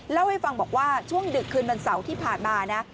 เล่าให้ฟังบอกว่าช่วงดึกคืนวันเสาร์ที่ผ่านมานะ